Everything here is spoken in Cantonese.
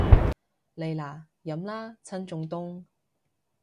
嚟啦，飲啦，趁仲凍